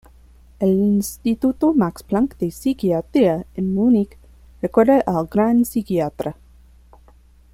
El Instituto Max Planck de psiquiatría en Múnich recuerda al gran psiquiatra.